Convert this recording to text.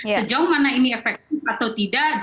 sejauh mana ini efektif atau tidak